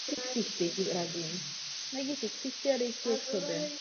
Následuje po čísle sedm set třicet šest a předchází číslu sedm set třicet osm.